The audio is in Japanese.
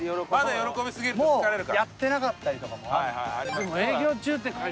もうやってなかったりとかもある。